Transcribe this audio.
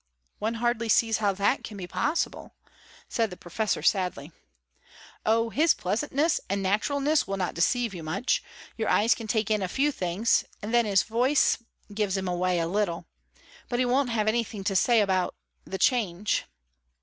"One hardly sees how that can be possible," said the professor sadly. "Oh, his pleasantness and naturalness will not deceive you much. Your eyes can take in a few things, and then his voice gives him away a little. But he won't have anything to say about the change."